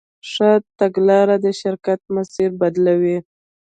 ښه تګلاره د شرکت مسیر بدلوي.